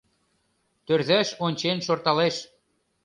Тӧрзаш ончен шорталеш.